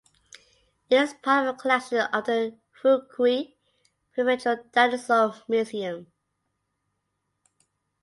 It is part of the collection of the Fukui Prefectural Dinosaur Museum.